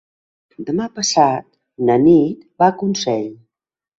Demà passat na Nit va a Consell.